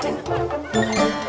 tidak ada yang bercanda